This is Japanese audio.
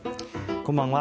こんばんは。